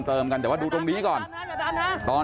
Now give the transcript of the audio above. เพื่อนบ้านเจ้าหน้าที่อำรวจกู้ภัย